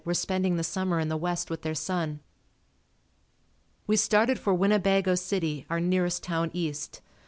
were spending the summer in the west with their son. We started for Winnebago City, our nearest town east.